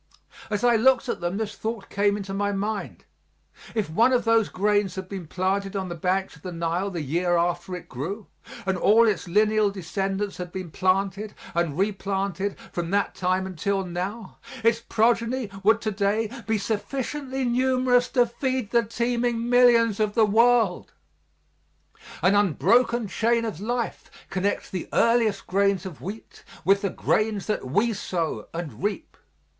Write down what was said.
As I looked at them this thought came into my mind: If one of those grains had been planted on the banks of the Nile the year after it grew, and all its lineal descendants had been planted and replanted from that time until now, its progeny would to day be sufficiently numerous to feed the teeming millions of the world. An unbroken chain of life connects the earliest grains of wheat with the grains that we sow and reap.